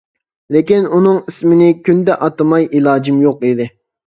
لېكىن ئۇنىڭ ئىسمىنى كۈندە ئاتىماي ئىلاجىم يوق ئىدى.